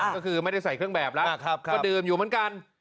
ก็คือไม่ได้ใส่เครื่องแบบแล้วก็ดื่มอยู่เหมือนกัน